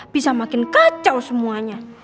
bisa makin kacau semuanya